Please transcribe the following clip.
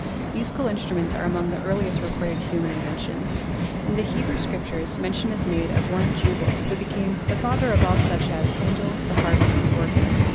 Musical instruments are among the earliest recorded human inventions. In the Hebrew scriptures mention is made of one Jubal, who became "the father of all such as handle the harp and the organ."